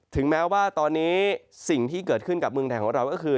ถึงแม้ว่าตอนนี้สิ่งที่เกิดขึ้นกับเมืองไทยของเราก็คือ